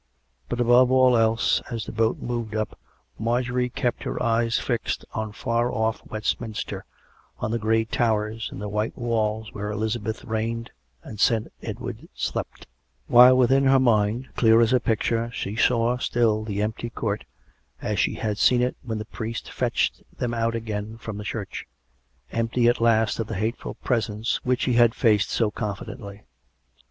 But, above all else, as the boat moved up, Marjorie kept her eyes fixed on far off Westminster, on the grey towers and the white walls where Elizabeth reigned and Saint Edward slept; while within her mind^ 162 COME RACK! COME ROPE! clear as a picture, she saw still the empty court, as she had seen it when the priest fetched them out again from the church — empty at last of the hateful presence which he had faced so confidently.